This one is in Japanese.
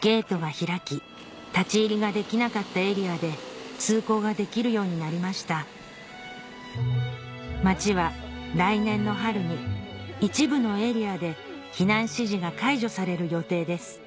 ゲートが開き立ち入りができなかったエリアで通行ができるようになりました町は来年の春に一部のエリアで避難指示が解除される予定です